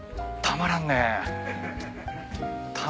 たまらんね。